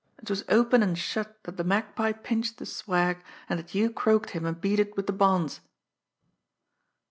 It was open and shut that the Magpie pinched the swag, and that you croaked him and beat it with the bonds."